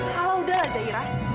kalau udah lah zaira